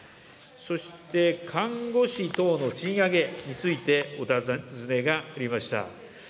そして、看護師等の賃上げについてお尋ねがありました。